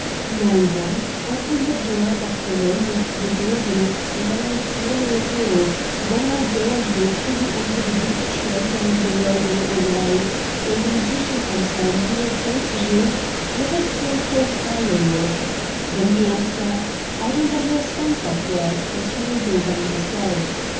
"Now, then, open the door of the room with the gold in it, and I will swallow it all; then I'll go and wait for you under the big tree down the road a little way. When the magician comes home, he will say to you, 'Let us go for firewood;' then you answer, 'I don't understand that work;' and he will go by himself.